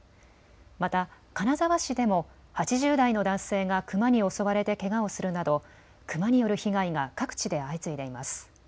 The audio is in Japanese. また金沢市でも８０代の男性がクマに襲われてけがをするなどクマによる被害が各地で相次いでいます。